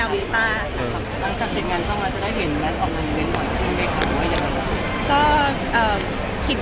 อย่างไรก็ได้หมด